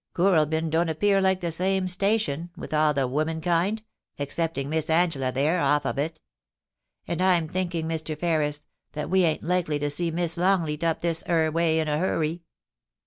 Kooralbyn don't appear like the same station, with all the women kind, excepting Miss Angela there, off of it ; and I'm thinking, Mr. Ferris, that we ain't likely to see Miss Longleat up this 'ere way in a 'urry.'